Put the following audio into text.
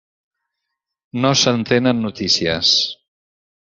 No se'n tenen notícies.